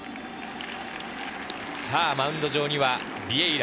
マウンド上にはビエイラ。